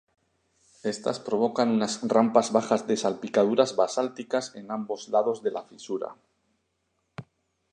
Estas provocan unas rampas bajas de salpicaduras basálticas en ambos lados de la fisura.